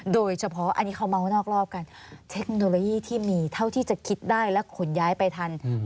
โดยเฉพาะการเทคโนโลยีที่มีแต่คุณจะคิดได้และผ่วย้ายไปทัน